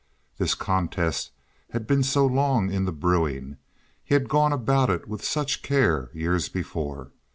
This contest had been so long in the brewing, he had gone about it with such care years before.